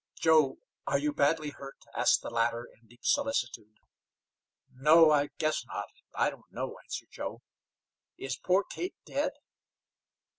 "Joe, are you badly hurt?" asked the latter, in deep solicitude. "No, I guess not; I don't know," answered Joe. "Is poor Kate dead?"